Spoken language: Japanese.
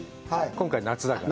今回は夏だから。